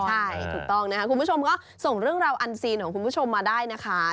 ใช่ถูกต้องนะคะคุณผู้ชมก็ส่งเรื่องราวอันซีนของคุณผู้ชมมาได้นะคะ